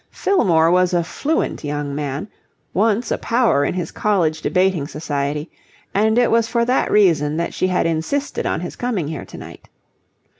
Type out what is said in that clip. Fillmore was a fluent young man, once a power in his college debating society, and it was for that reason that she had insisted on his coming here tonight.